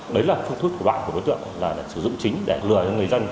đấy là phương thức của bạn của đối tượng là sử dụng chính để lừa cho người dân